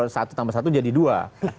satu tambah satu jadi dua